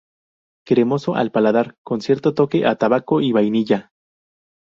Cremoso al paladar con cierto toque a tabaco y vainilla.